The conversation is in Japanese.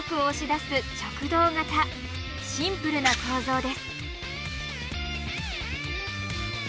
シンプルな構造です。